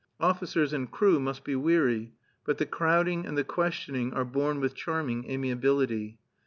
Officers and crew must be weary; but the crowding and the questioning are borne with charming amiability.